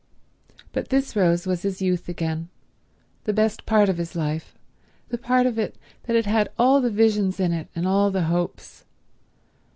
.. But this Rose was his youth again, the best part of his life, the part of it that had had all the visions in it and all the hopes.